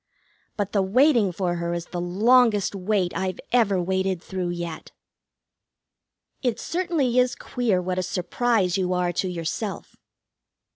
But the waiting for her is the longest wait I've ever waited through yet. It certainly is queer what a surprise you are to yourself.